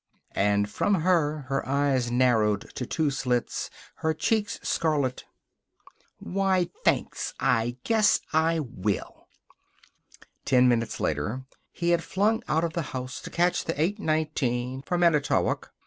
And from her, her eyes narrowed to two slits, her cheeks scarlet: "Why, thanks. I guess I will." Ten minutes later he had flung out of the house to catch the 8:19 for Manitowoc.